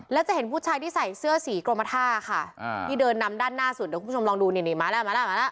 แล้วจะเห็นผู้ชายที่ใส่เสื้อสีกรมท่าค่ะที่เดินนำด้านหน้าสุดเดี๋ยวคุณผู้ชมลองดูนี่นี่มาแล้วมาแล้วมาแล้ว